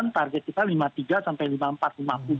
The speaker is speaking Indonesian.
target kita rp lima puluh tiga sampai rp lima puluh empat rp lima puluh